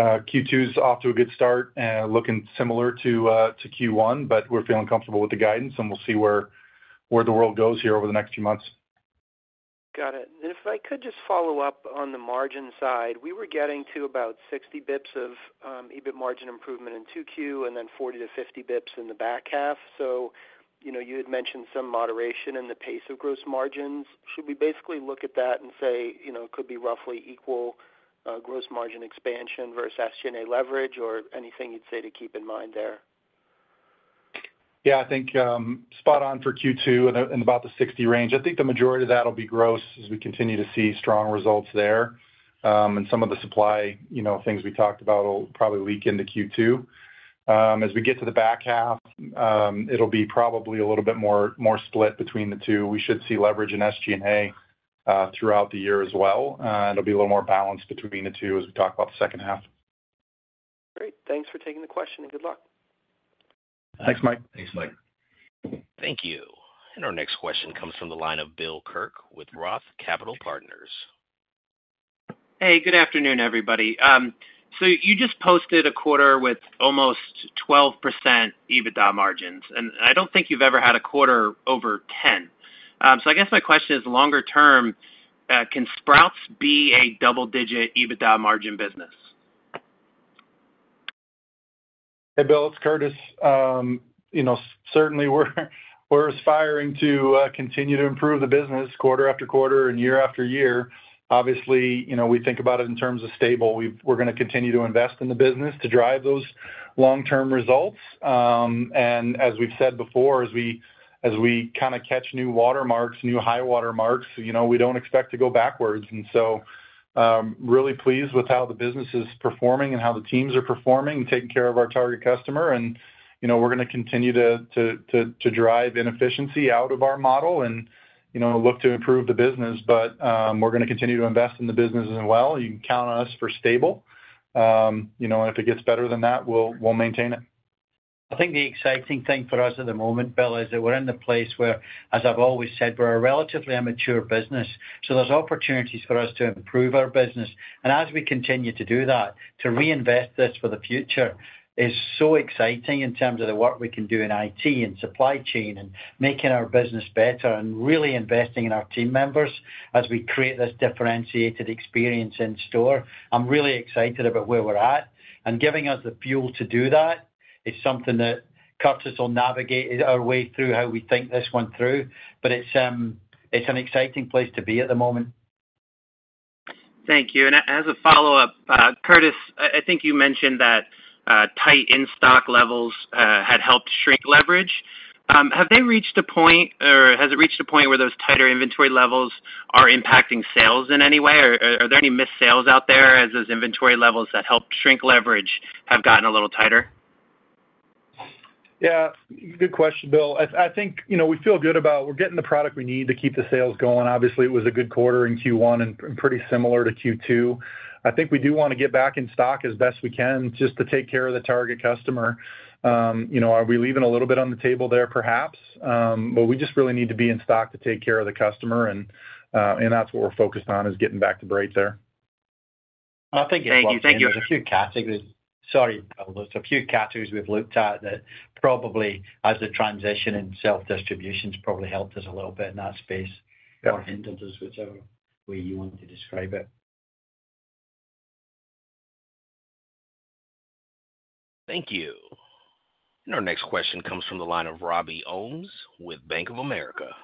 Q2 is off to a good start, looking similar to Q1. We are feeling comfortable with the guidance, and we will see where the world goes here over the next few months. Got it. If I could just follow up on the margin side, we were getting to about 60 basis points of EBIT margin improvement in 2Q and then 40-50 basis points in the back half. You had mentioned some moderation in the pace of gross margins. Should we basically look at that and say it could be roughly equal gross margin expansion versus SG&A leverage or anything you'd say to keep in mind there? Yeah. I think spot on for Q2 in about the 60 range. I think the majority of that will be gross as we continue to see strong results there. Some of the supply things we talked about will probably leak into Q2. As we get to the back half, it'll be probably a little bit more split between the two. We should see leverage in SG&A throughout the year as well. It'll be a little more balanced between the two as we talk about the second half. Great. Thanks for taking the question and good luck. Thanks, Mike. Thanks, Mike. Thank you. Our next question comes from the line of Bill Kirk with ROTH Capital Partners. Hey, good afternoon, everybody. You just posted a quarter with almost 12% EBITDA margins. I don't think you've ever had a quarter over 10. I guess my question is, longer term, can Sprouts be a double digit EBITDA margin business? Hey, Bill, it's Curtis. Certainly, we're aspiring to continue to improve the business quarter after quarter and year after year. Obviously, we think about it in terms of stable. We're going to continue to invest in the business to drive those long-term results. As we've said before, as we kind of catch new watermarks, new high watermarks, we don't expect to go backwards. Really pleased with how the business is performing and how the teams are performing and taking care of our target customer. We're going to continue to drive inefficiency out of our model and look to improve the business. We're going to continue to invest in the business as well. You can count on us for stable. If it gets better than that, we'll maintain it. I think the exciting thing for us at the moment, Bill, is that we're in the place where, as I've always said, we're a relatively immature business. There are opportunities for us to improve our business. As we continue to do that, to reinvest this for the future is so exciting in terms of the work we can do in IT and supply chain and making our business better and really investing in our team members as we create this differentiated experience in store. I'm really excited about where we're at. Giving us the fuel to do that is something that Curtis will navigate our way through how we think this one through. It is an exciting place to be at the moment. Thank you. As a follow-up, Curtis, I think you mentioned that tight in-stock levels had helped shrink leverage. Have they reached a point, or has it reached a point where those tighter inventory levels are impacting sales in any way? Are there any missales out there as those inventory levels that helped shrink leverage have gotten a little tighter? Yeah. Good question, Bill. I think we feel good about we're getting the product we need to keep the sales going. Obviously, it was a good quarter in Q1 and pretty similar to Q2. I think we do want to get back in stock as best we can just to take care of the target customer. Are we leaving a little bit on the table there, perhaps? We just really need to be in stock to take care of the customer. That is what we're focused on, is getting back to break there. I think it's a few categories. Sorry, a few categories we've looked at that probably, as the transition in self-distribution, probably helped us a little bit in that space or hindered us, whichever way you want to describe it. Thank you. Our next question comes from the line of Robert Owens with Bank of America.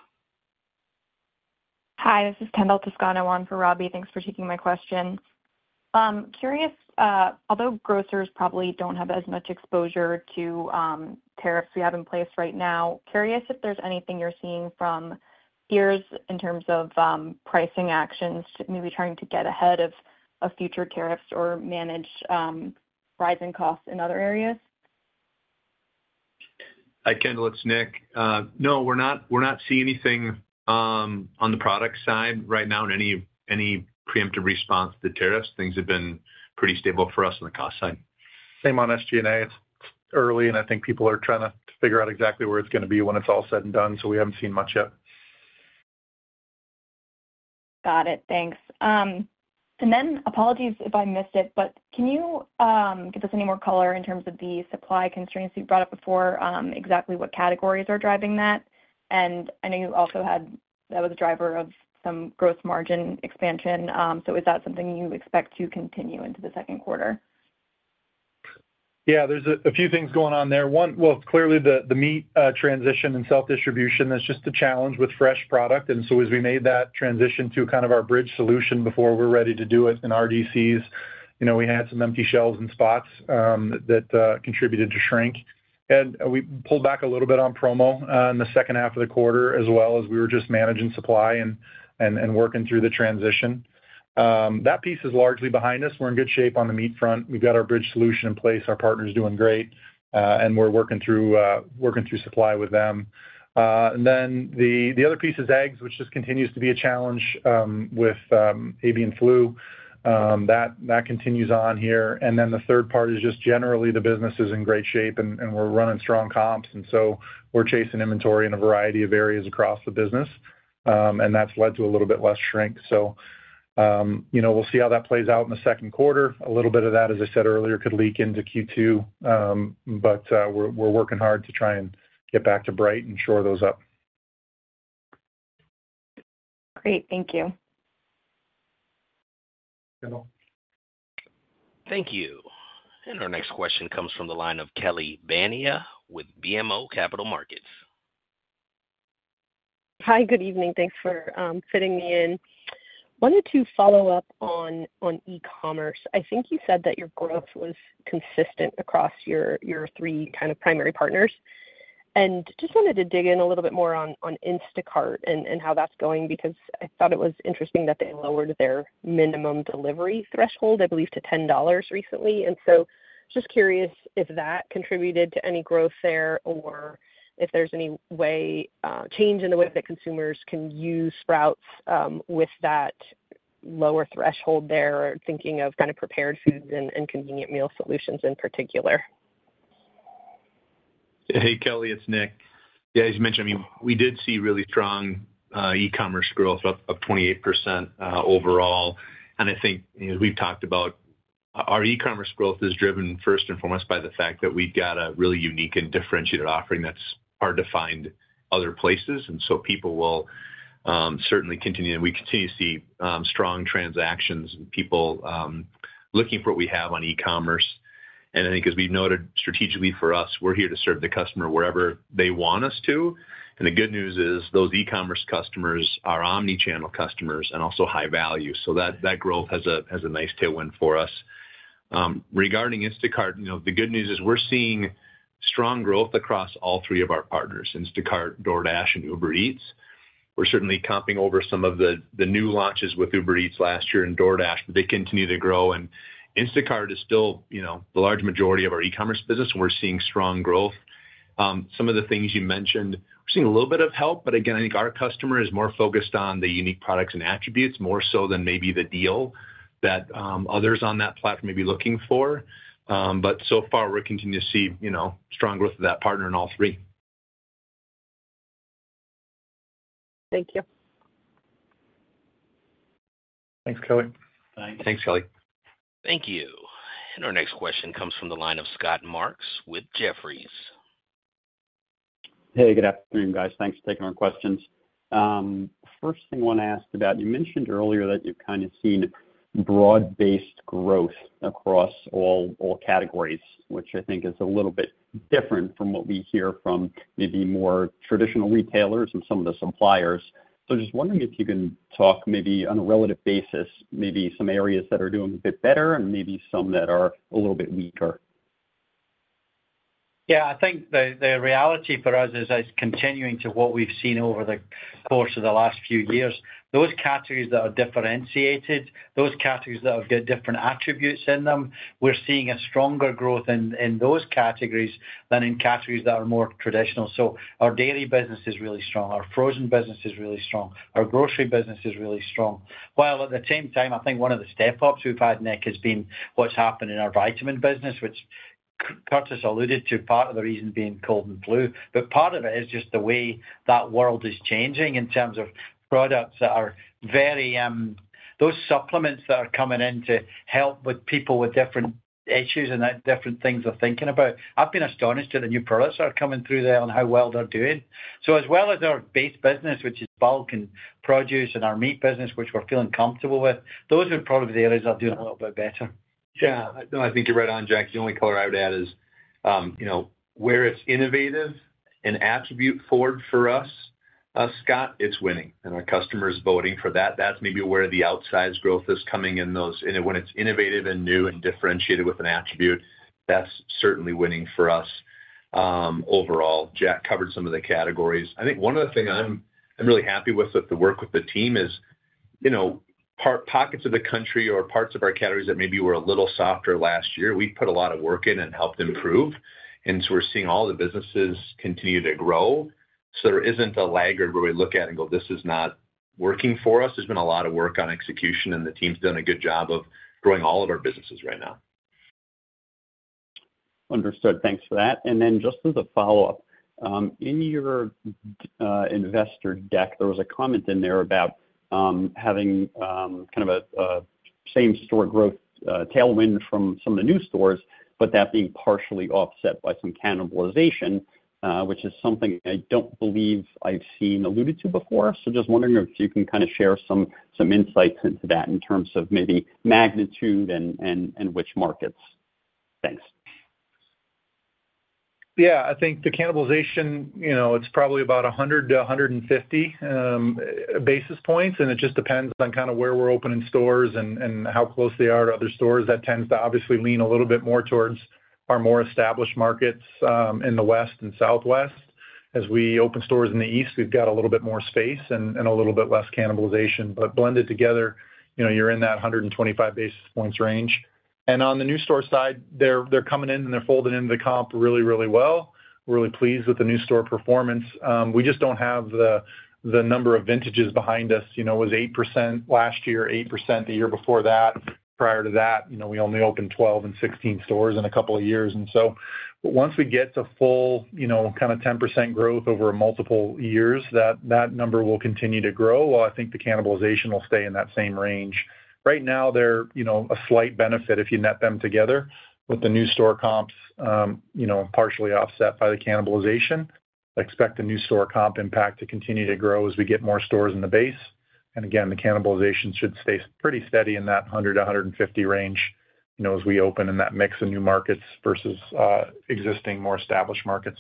Hi, this is Kendall Toscano on for Robe. Thanks for taking my question. Curious, although grocers probably don't have as much exposure to tariffs we have in place right now, curious if there's anything you're seeing from peers in terms of pricing actions to maybe trying to get ahead of future tariffs or manage rising costs in other areas? Hi, Kendall. It's Nick. No, we're not seeing anything on the product side right now in any preemptive response to tariffs. Things have been pretty stable for us on the cost side. Same on SG&A. It's early, and I think people are trying to figure out exactly where it's going to be when it's all said and done. We haven't seen much yet. Got it. Thanks. Apologies if I missed it, but can you give us any more color in terms of the supply constraints you brought up before, exactly what categories are driving that? I know you also had that was a driver of some gross margin expansion. Is that something you expect to continue into the second quarter? Yeah. There are a few things going on there. Clearly, the meat transition and self-distribution, that's just a challenge with fresh product. As we made that transition to kind of our bridge solution before we are ready to do it in RDCs, we had some empty shelves and spots that contributed to shrink. We pulled back a little bit on promo in the second half of the quarter as we were just managing supply and working through the transition. That piece is largely behind us. We are in good shape on the meat front. We have our bridge solution in place. Our partner is doing great. We are working through supply with them. The other piece is eggs, which just continues to be a challenge with avian flu. That continues on here. The third part is just generally the business is in great shape, and we're running strong comps. We're chasing inventory in a variety of areas across the business, and that's led to a little bit less shrink. We will see how that plays out in the second quarter. A little bit of that, as I said earlier, could leak into Q2. We are working hard to try and get back to break and shore those up. Great. Thank you. Thank you. Our next question comes from the line of Kelly Bania with BMO Capital Markets. Hi, good evening. Thanks for fitting me in. Wanted to follow up on e-commerce. I think you said that your growth was consistent across your three kind of primary partners. Just wanted to dig in a little bit more on Instacart and how that's going because I thought it was interesting that they lowered their minimum delivery threshold, I believe, to $10 recently. Just curious if that contributed to any growth there or if there's any change in the way that consumers can use Sprouts with that lower threshold there, thinking of kind of prepared foods and convenient meal solutions in particular. Hey, Kelly, it's Nick. Yeah, as you mentioned, I mean, we did see really strong e-commerce growth of 28% overall. I think, as we've talked about, our e-commerce growth is driven first and foremost by the fact that we've got a really unique and differentiated offering that's hard to find other places. People will certainly continue, and we continue to see strong transactions and people looking for what we have on e-commerce. I think, as we've noted, strategically for us, we're here to serve the customer wherever they want us to. The good news is those e-commerce customers are omnichannel customers and also high value. That growth has a nice tailwind for us. Regarding Instacart, the good news is we're seeing strong growth across all three of our partners: Instacart, DoorDash, and Uber Eats. We're certainly comping over some of the new launches with Uber Eats last year and DoorDash, but they continue to grow. Instacart is still the large majority of our e-commerce business, and we're seeing strong growth. Some of the things you mentioned, we're seeing a little bit of help. Again, I think our customer is more focused on the unique products and attributes more so than maybe the deal that others on that platform may be looking for. So far, we're continuing to see strong growth of that partner in all three. Thank you. Thanks, Kelly. Thanks, Kelly. Thank you. Our next question comes from the line of Scott Marks with Jefferies. Hey, good afternoon, guys. Thanks for taking our questions. First thing I want to ask about, you mentioned earlier that you've kind of seen broad-based growth across all categories, which I think is a little bit different from what we hear from maybe more traditional retailers and some of the suppliers. Just wondering if you can talk maybe on a relative basis, maybe some areas that are doing a bit better and maybe some that are a little bit weaker. Yeah. I think the reality for us is continuing to what we've seen over the course of the last few years. Those categories that are differentiated, those categories that have got different attributes in them, we're seeing a stronger growth in those categories than in categories that are more traditional. Our dairy business is really strong. Our frozen business is really strong. Our grocery business is really strong. At the same time, I think one of the step-ups we've had, Nick, has been what's happened in our vitamin business, which Curtis alluded to, part of the reason being cold and flu. Part of it is just the way that world is changing in terms of products that are very, those supplements that are coming in to help with people with different issues and different things they're thinking about. I've been astonished at the new products that are coming through there and how well they're doing. As well as our base business, which is bulk and produce and our meat business, which we're feeling comfortable with, those are probably the areas that are doing a little bit better. Yeah. No, I think you're right on, Jack. The only color I would add is where it's innovative and attribute forward for us, Scott, it's winning. And our customer is voting for that. That's maybe where the outsized growth is coming in those. And when it's innovative and new and differentiated with an attribute, that's certainly winning for us overall. Jack covered some of the categories. I think one of the things I'm really happy with, with the work with the team, is part pockets of the country or parts of our categories that maybe were a little softer last year, we've put a lot of work in and helped improve. And so we're seeing all the businesses continue to grow. There isn't a laggard where we look at and go, "This is not working for us." There's been a lot of work on execution, and the team's done a good job of growing all of our businesses right now. Understood. Thanks for that. Just as a follow-up, in your investor deck, there was a comment in there about having kind of a same-store growth tailwind from some of the new stores, but that being partially offset by some cannibalization, which is something I do not believe I have seen alluded to before. Just wondering if you can kind of share some insights into that in terms of maybe magnitude and which markets. Thanks. Yeah. I think the cannibalization, it's probably about 100 to 150 basis points. It just depends on kind of where we're opening stores and how close they are to other stores. That tends to obviously lean a little bit more towards our more established markets in the west and southwest. As we open stores in the east, we've got a little bit more space and a little bit less cannibalization. Blended together, you're in that 125 basis points range. On the new store side, they're coming in and they're folding into the comp really, really well. We're really pleased with the new store performance. We just don't have the number of vintages behind us. It was 8% last year, 8% the year before that. Prior to that, we only opened 12 and 16 stores in a couple of years. Once we get to full kind of 10% growth over multiple years, that number will continue to grow while I think the cannibalization will stay in that same range. Right now, there is a slight benefit if you net them together with the new store comps partially offset by the cannibalization. I expect the new store comp impact to continue to grow as we get more stores in the base. Again, the cannibalization should stay pretty steady in that 100-150 range as we open in that mix of new markets versus existing more established markets.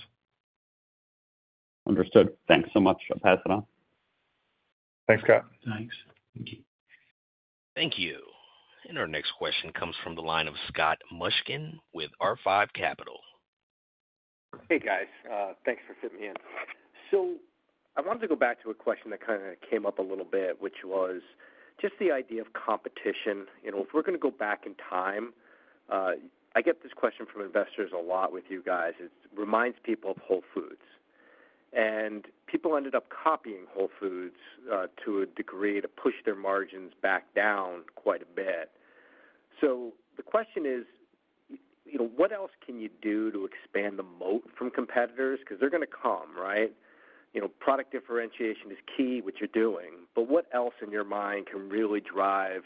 Understood. Thanks so much. I'll pass it on. Thanks, Scott. Thanks. Thank you. Thank you. Our next question comes from the line of Scott Mushkin with R5 Capital. Hey, guys. Thanks for fitting me in. I wanted to go back to a question that kind of came up a little bit, which was just the idea of competition. If we're going to go back in time, I get this question from investors a lot with you guys. It reminds people of Whole Foods. People ended up copying Whole Foods to a degree to push their margins back down quite a bit. The question is, what else can you do to expand the moat from competitors? Because they're going to come, right? Product differentiation is key, which you're doing. What else in your mind can really drive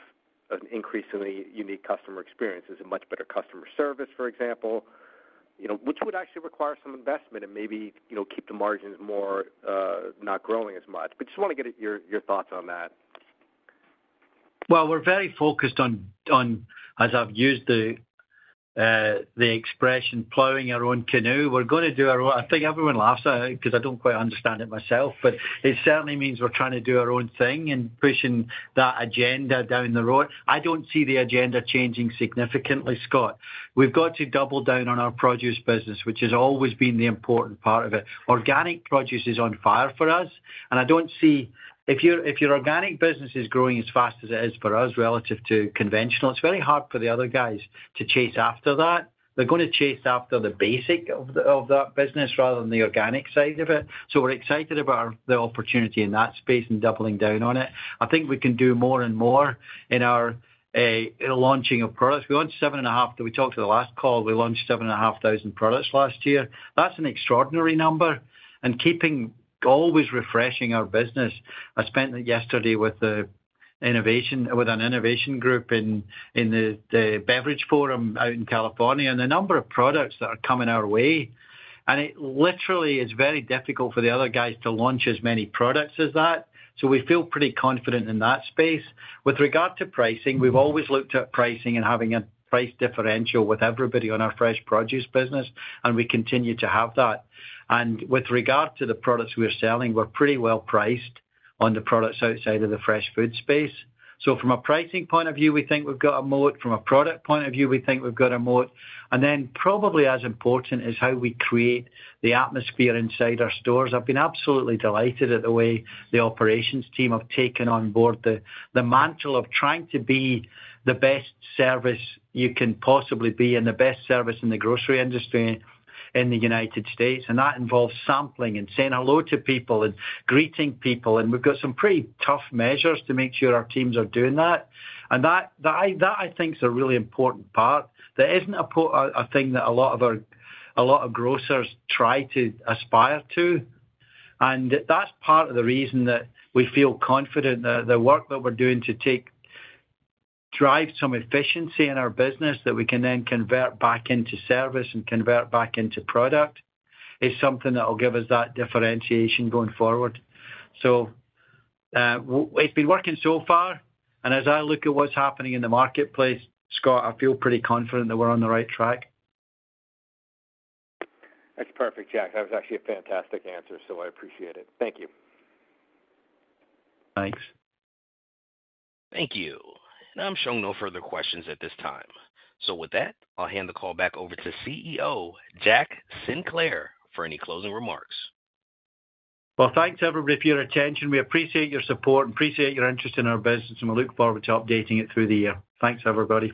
an increase in the unique customer experience? Is it much better customer service, for example, which would actually require some investment and maybe keep the margins not growing as much? I just want to get your thoughts on that. We're very focused on, as I've used the expression, plowing our own canoe. We're going to do our own—I think everyone laughs at it because I don't quite understand it myself. It certainly means we're trying to do our own thing and pushing that agenda down the road. I don't see the agenda changing significantly, Scott. We've got to double down on our produce business, which has always been the important part of it. Organic produce is on fire for us. I don't see—if your organic business is growing as fast as it is for us relative to conventional, it's very hard for the other guys to chase after that. They're going to chase after the basic of that business rather than the organic side of it. We're excited about the opportunity in that space and doubling down on it. I think we can do more and more in our launching of products. We launched 7,500. We talked to the last call. We launched 7,500 products last year. That's an extraordinary number. Keeping always refreshing our business. I spent yesterday with an innovation group in the beverage forum out in California on the number of products that are coming our way. It literally is very difficult for the other guys to launch as many products as that. We feel pretty confident in that space. With regard to pricing, we've always looked at pricing and having a price differential with everybody on our fresh produce business. We continue to have that. With regard to the products we're selling, we're pretty well priced on the products outside of the fresh food space. From a pricing point of view, we think we've got a moat. From a product point of view, we think we've got a moat. Probably as important is how we create the atmosphere inside our stores. I've been absolutely delighted at the way the operations team have taken on board the mantle of trying to be the best service you can possibly be and the best service in the grocery industry in the U.S. That involves sampling and saying hello to people and greeting people. We've got some pretty tough measures to make sure our teams are doing that. That, I think, is a really important part. That isn't a thing that a lot of our a lot of grocers try to aspire to. That is part of the reason that we feel confident that the work that we are doing to drive some efficiency in our business, that we can then convert back into service and convert back into product, is something that will give us that differentiation going forward. It has been working so far. As I look at what is happening in the marketplace, Scott, I feel pretty confident that we are on the right track. That's perfect, Jack. That was actually a fantastic answer. I appreciate it. Thank you. Thanks. Thank you. I'm showing no further questions at this time. With that, I'll hand the call back over to CEO Jack Sinclair for any closing remarks. Thanks everybody for your attention. We appreciate your support and appreciate your interest in our business. We will look forward to updating it through the year. Thanks, everybody.